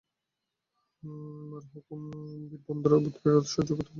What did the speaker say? মার হুকুম হলেই বীরভদ্র ভূতপ্রেত সব করতে পারে।